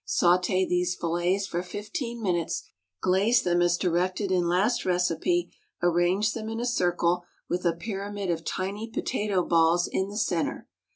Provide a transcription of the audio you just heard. Sauté these fillets for fifteen minutes; glaze them as directed in last recipe; arrange them in a circle, with a pyramid of tiny potato balls in the centre.